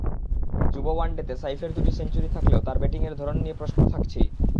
যুব ওয়ানডেতে সাইফের দুটি সেঞ্চুরি থাকলেও তাঁর ব্যাটিংয়ের ধরন নিয়ে প্রশ্ন থাকছেই।